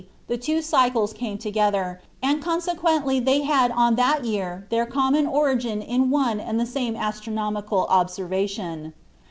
the two cycles came together, and consequently they had on that year their common origin in one and the same astronomical observation."